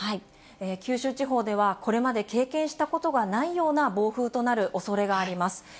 九州地方では、これまで経験したことがないような暴風となるおそれがあります。